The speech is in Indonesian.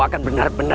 saya merek cpu ya